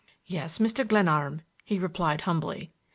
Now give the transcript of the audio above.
"Yes, Mr. Glenarm," he replied humbly.